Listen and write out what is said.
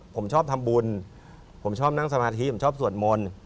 ผมชอบทำบุญผมชอบนั่งสมาธิผมชอบสวดมนต์